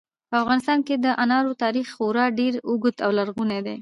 په افغانستان کې د انارو تاریخ خورا ډېر اوږد او لرغونی دی.